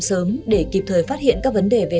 sớm để kịp thời phát hiện các vấn đề về